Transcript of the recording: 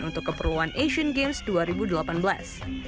untuk keperluan asian games dua ribu delapan belas